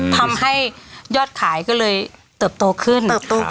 ทำให้ยอดขายก็เลยเติบโตขึ้น